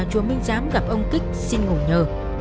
chúa minh dám gặp ông kích xin ngủ nhờ